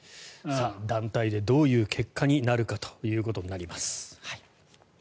団体でどういう結果になるかということになります。